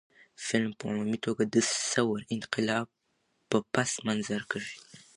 فلم په عمومي توګه د ثور انقلاب په پس منظر کښې